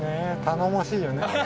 頼もしいよね